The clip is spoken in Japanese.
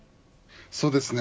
そうですね。